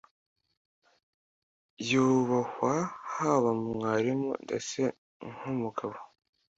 Yubahwa haba mwarimu ndetse nkumugabo.